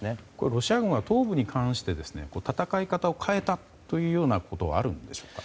ロシア軍は東部に関して戦い方を変えたということはあるんでしょうか。